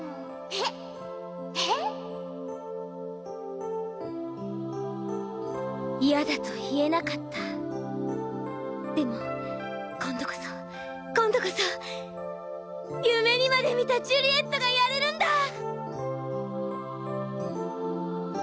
へっへへっイヤだと言えなかったでも今度こそ今度こそ夢にまでみたジュリエットがやれるんだ！